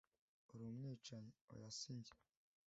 "Uri umwicanyi!" "Oya si njye!"